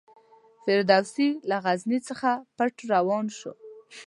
فردوسي له غزني څخه پټ روان شو.